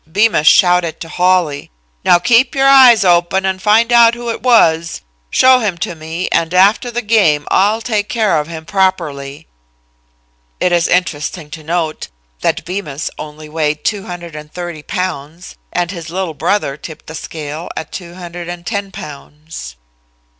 Bemus shouted to Hawley: "Now keep your eyes open and find out who it was. Show him to me, and after the game I'll take care of him properly." It is interesting to note that Bemus only weighed 230 pounds and his little brother tipped the scale at 210 pounds.